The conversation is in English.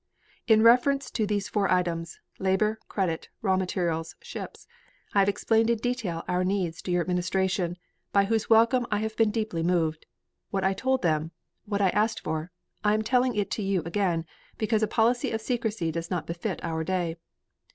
"In reference to these four items labor; credit, raw materials, ships I have explained in detail our needs to your administration, by whose welcome I have been deeply moved. What I told them, what I asked for, I am telling it to you again, because a policy of secrecy does not befit our day.